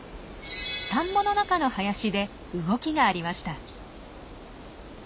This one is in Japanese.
田んぼの中の林で動きがありました。